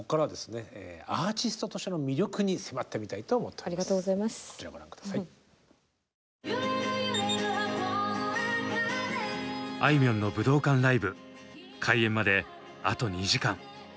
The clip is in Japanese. あいみょんの武道館ライブ開演まであと２時間。